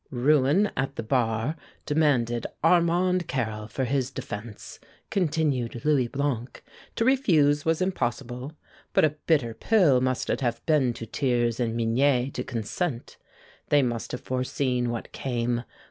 "Rouen at the bar demanded Armand Carrel for his defence," continued Louis Blanc. "To refuse was impossible, but a bitter pill must it have been to Thiers and Mignet to consent. They must have foreseen what came.